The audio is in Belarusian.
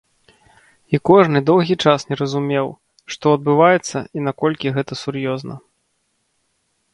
І кожны доўгі час не разумеў, што адбываецца і наколькі гэта сур'ёзна.